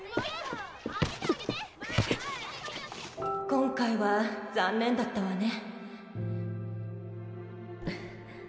今回は残念だったわね。